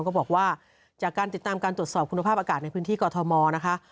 ก็บอกว่าจากการติดตามการตรวจสอบคุณภาพอากาศในพื้นที่กอทมนะคะ